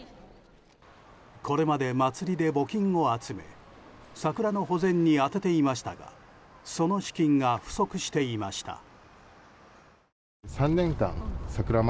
これまで祭りで募金を集め桜の保全に充てていましたがその資金が不足していました。